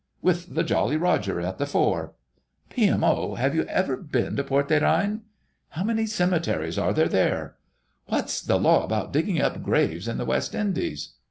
"With the Jolly Roger at the fore!" "P.M.O., have you ever been to Porte des Reines?" "How many cemeteries are there there?" "What's the law about digging up graves in the West Indies?"